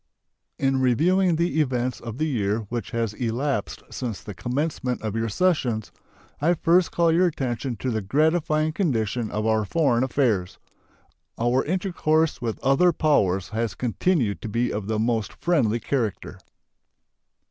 In reviewing the events of the year which has elapsed since the commencement of your sessions, I first call your attention to the gratifying condition of our foreign affairs. Our intercourse with other powers has continued to be of the most friendly character.